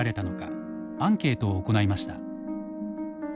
アンケートを行いました。